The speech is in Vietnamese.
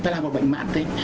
nó là một bệnh mạng tính